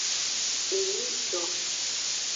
Eyingto.